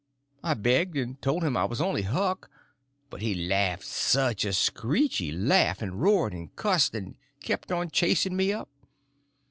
I begged, and told him I was only Huck; but he laughed such a screechy laugh, and roared and cussed, and kept on chasing me up.